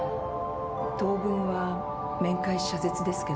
当分は面会謝絶ですけど。